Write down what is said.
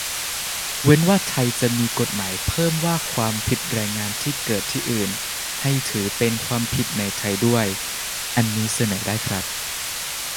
เว้นว่าไทยจะมีกฎหมายเพิ่มว่าความผิดแรงงานที่เกิดที่อื่น ให้ถือเป็นความผิดในไทยด้วย อันนี้เสนอได้ครับ